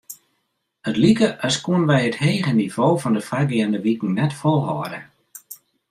It like as koene wy it hege nivo fan de foargeande wiken net folhâlde.